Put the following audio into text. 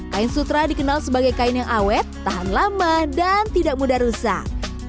kain sutra dikenal sebagai kain yang awet tahan lama dan tidak mudah rusak